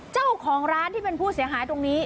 เจ้าของร้านที่เป็นผู้เสียหายตรงนี้